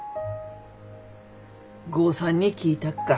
豪さんに聞いたっか。